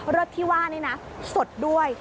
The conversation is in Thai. รึดที่ว่านะนะสดด้วย